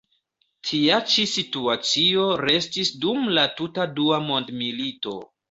Tia ĉi situacio restis dum la tuta dua mondmilito.